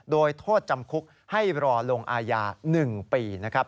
โดยโทษจำคุกให้รอลงอาญา๑ปีนะครับ